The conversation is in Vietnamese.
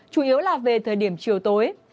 chủ yếu là về thời điểm chiều tối